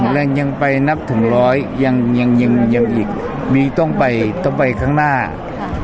แรงยังไปนับถึงร้อยยังยังอีกมีต้องไปต้องไปข้างหน้าค่ะ